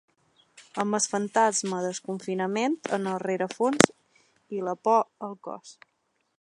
Amb el fantasma del confinament en el rerefons i la por al cos.